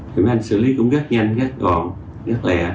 thì mấy anh xử lý cũng rất nhanh rất gọn rất lẹ